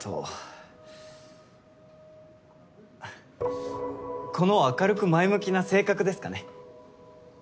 ははっこの明るく前向きな性格ですかね。